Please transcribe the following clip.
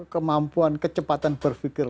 kemampuan kecepatan berpikir